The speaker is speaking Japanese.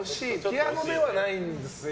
ピアノではないんですよ。